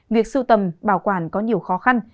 việc sưu tầm bảo quản có nhiều khó khăn